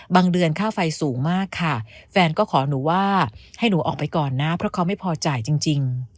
เดือนค่าไฟสูงมากค่ะแฟนก็ขอหนูว่าให้หนูออกไปก่อนนะเพราะเขาไม่พอจ่ายจริง